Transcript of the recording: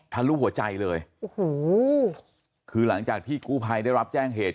ทะลุหัวใจเลยโอ้โหคือหลังจากที่กู้ภัยได้รับแจ้งเหตุ